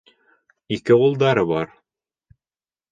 Ике улдары бар.